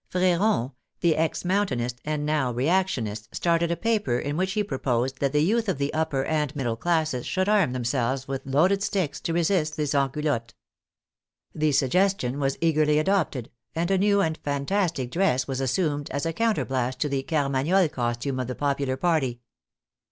Freron, the ex Mountainist and now Reactionist, started a paper in which he proposed that the youth of the upper and middle classes should arm themselves with loaded sticks to resist the Sansculottes. The suggestion was eagerly adopted, and a new and fantastic dress was assumed as a counterblast to the Carmagnole costume of the popular party.